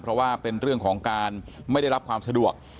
เพราะว่าเป็นเรื่องของการไม่ได้รับความสะดวก